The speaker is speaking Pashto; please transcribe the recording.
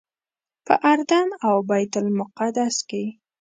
په اردن او بیت المقدس کې.